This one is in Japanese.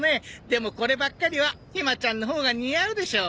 でもこればっかりはひまちゃんのほうが似合うでしょ？